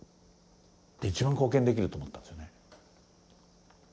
で一番貢献できると思ったんですよね。